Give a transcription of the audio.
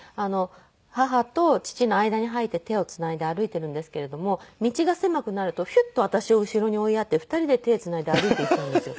母と父の間に入って手をつないで歩いているんですけれども道が狭くなるとヒュッと私を後ろに追いやって２人で手つないで歩いていくんですよ。